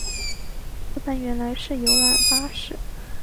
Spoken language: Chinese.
这班原来是游览巴士